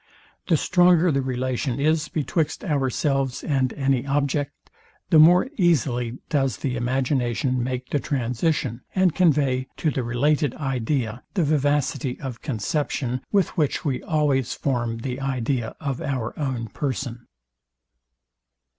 The stronger the relation is betwixt ourselves and any object, the more easily does the imagination make the transition, and convey to the related idea the vivacity of conception, with which we always form the idea of our own person.